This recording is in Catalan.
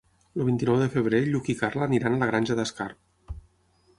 El vint-i-nou de febrer en Lluc i na Carla iran a la Granja d'Escarp.